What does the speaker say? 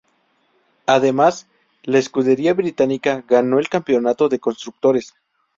Además, la escudería británica ganó el campeonato de constructores.